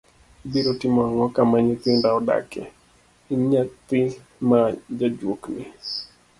Ibiro timo ang'o kama nyithinda odake, in naythi ma jajuok ni?